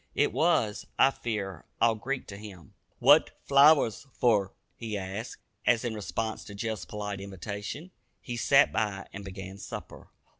It was, I fear, all Greek to him. "What flowers fer?" he asked, as, in response to Jeff's polite invitation, he "sat by" and began supper.